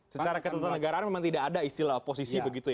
secara ketatanegaraan memang tidak ada istilah oposisi begitu ya